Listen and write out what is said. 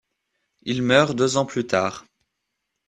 Il meurt deux ans plus tard.